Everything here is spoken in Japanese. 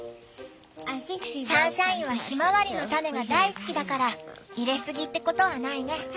サンシャインはひまわりの種が大好きだから入れすぎってことはないね。